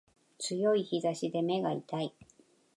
強い日差しで目が痛い